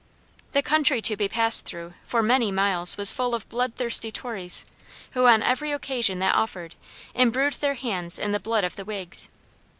The country to be passed through for many miles was full of blood thirsty Tories, who, on every occasion that offered, imbrued their hands in the blood of the Whigs.